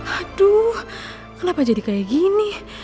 aduh kenapa jadi kayak gini